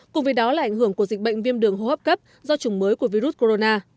cùng với đó là ảnh hưởng của dịch bệnh viêm đường hô hấp cấp do chủng mới của virus corona